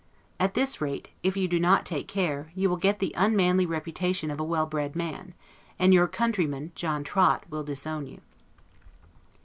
At this rate, if you do not take care, you will get the unmanly reputation of a well bred man; and your countryman, John Trott, will disown you.